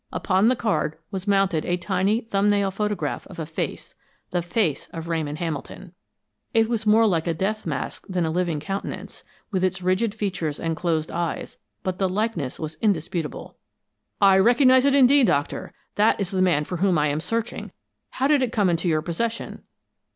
Upon the card was mounted a tiny, thumbnail photograph of a face the face of Ramon Hamilton! It was more like a death mask than a living countenance, with its rigid features and closed eyes, but the likeness was indisputable. "I recognize it, indeed, Doctor. That is the man for whom I am searching. How did it come into your possession?"